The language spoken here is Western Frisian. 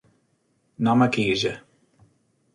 Namme kieze.